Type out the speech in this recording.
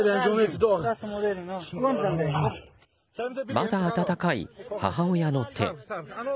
まだ温かい母親の手。